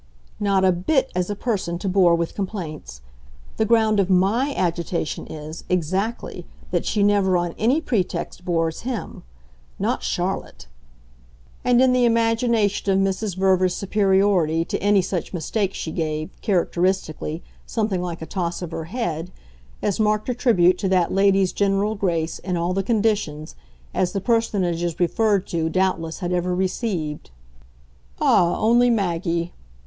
"Not a bit as a person to bore with complaints. The ground of MY agitation is, exactly, that she never on any pretext bores him. Not Charlotte!" And in the imagination of Mrs. Verver's superiority to any such mistake she gave, characteristically, something like a toss of her head as marked a tribute to that lady's general grace, in all the conditions, as the personage referred to doubtless had ever received. "Ah, only Maggie!"